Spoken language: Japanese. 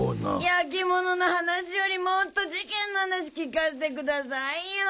焼き物の話よりもっと事件の話聞かせてくださいよ。